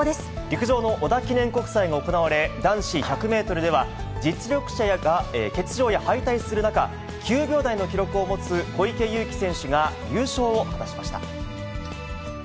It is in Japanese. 陸上の織田記念国際が行われ、男子１００メートルでは、実力者が欠場や敗退する中、９秒台の記録を持つ小池祐貴選手が優勝を果たしました。